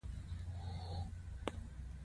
سپي غصه هم لري.